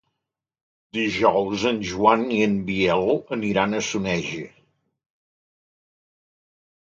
Dijous en Joan i en Biel aniran a Soneja.